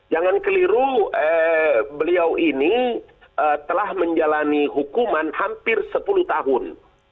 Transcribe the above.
jangan keliru beliau ini telah menjalani hukuman hampir sepuluh tahun